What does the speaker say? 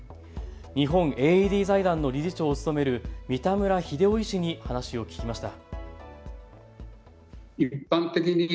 日本ＡＥＤ財団の理事長を務める三田村秀雄医師に話しを聞きました。